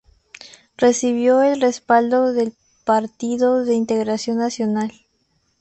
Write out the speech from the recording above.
Recibió el respaldo del Partido de Integración Nacional.